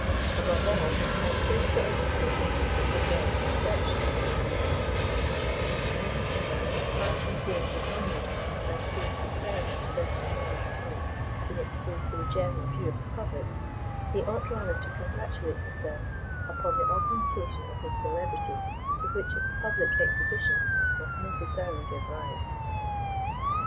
Above all, I praised the execution, as well as conception, of his painting, and reminded him that, far from feeling dishonoured by so superb a specimen of his talents being exposed to the general view of the public, he ought rather to congratulate himself upon the augmentation of his celebrity to which its public exhibition must necessarily give rise.